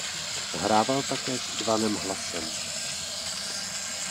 Hrával také s Ivanem Hlasem.